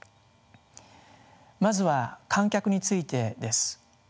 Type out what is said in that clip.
まずは観客についてです。